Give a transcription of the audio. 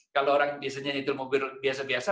kalau orang biasanya nyetil mobil biasa biasa